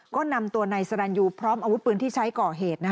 ก็นำตัวนายสรรยูพร้อมอาวุธปืนที่ใช้ก่อเหตุ